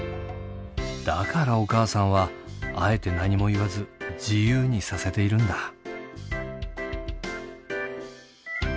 だからお母さんはあえて何も言わず自由にさせているんだ。